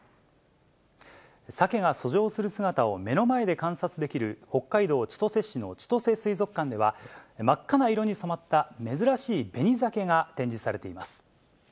サケが遡上する姿を目の前で観察できる北海道千歳市の千歳水族館では、真っ赤な色に染まった珍しいベニザケが展示されています。